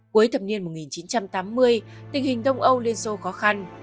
cuối thập niên một nghìn chín trăm tám mươi tình hình đông âu liên xô khó khăn